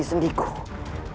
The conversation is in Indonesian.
aku punya kuasa